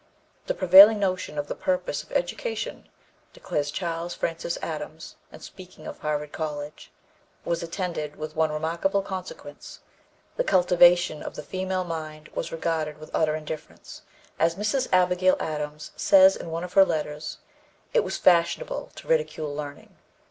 "The prevailing notion of the purpose of education," declares Charles Francis Adams, in speaking of Harvard College, "was attended with one remarkable consequence the cultivation of the female mind was regarded with utter indifference; as Mrs. Abigail Adams says in one of her letters, 'it was fashionable to ridicule learning.'"